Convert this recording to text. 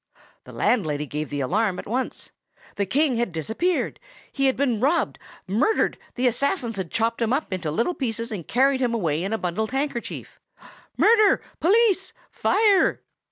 The landlady gave the alarm at once. The King had disappeared! He had been robbed, murdered; the assassins had chopped him up into little pieces and carried him away in a bundle handkerchief! "Murder! police! fire!!!!"